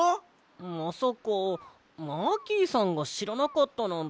まさかマーキーさんがしらなかったなんて。